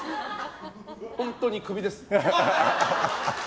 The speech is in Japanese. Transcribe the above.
本当にクビです。